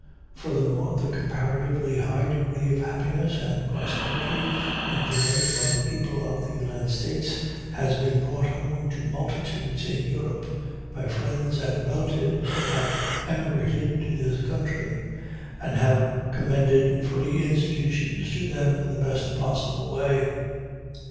Furthermore, the comparatively high degree of happiness and prosperity enjoyed by the people of the United States has been brought home to multitudes in Europe by friends and relatives who have emigrated to this country, and has commended free institutions to them in the best possible way.